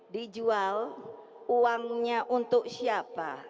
dijual uangnya untuk siapa